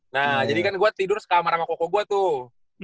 nah jadi kan gue tidur sekamar sama koko gue tuh